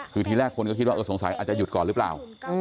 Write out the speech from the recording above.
คือทีแรกคนก็คิดว่าสงสัยอาจจะหยุดก่อนหรือเปล่า